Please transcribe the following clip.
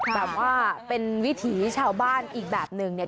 แบบว่าเป็นวิถีชาวบ้านอีกแบบหนึ่งเนี่ย